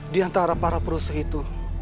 di antara para perusa itu